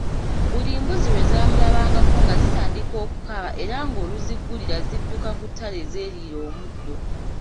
Buli embuzi lwe zaamulabangako nga zitandika okukaaba era ng’oluziggulira zidduka ku ttale zeeriire omuddo.